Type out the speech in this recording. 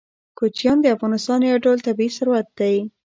کوچیان د افغانستان یو ډول طبعي ثروت دی.